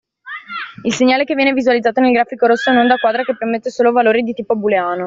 Il segnale che viene visualizzato nel grafico rosso è un onda quadra che permette solo valori di tipo booleano.